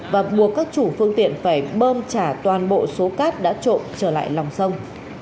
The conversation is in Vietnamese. và buộc các chủ phương tiện phải bơm trả toàn bộ số cát đã trộm trở lại lòng sông